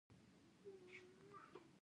پـورتـه وغورځـېدم ،